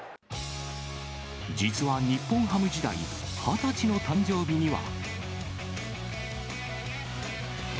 実は日本ハム時代、２０歳の誕生日には。